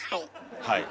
はい。